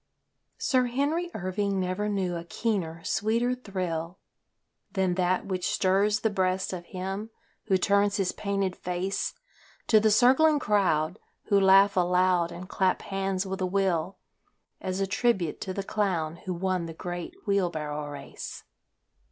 Sir Henry Irving never knew a keener, sweeter thrill Than that which stirs the breast of him who turns his painted face To the circling crowd who laugh aloud and clap hands with a will As a tribute to the clown who won the great wheel barrow race.